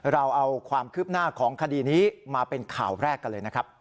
เราเอาความคืบหน้าของคดีนี้มาเป็นข่าวแรกกันเลยนะครับ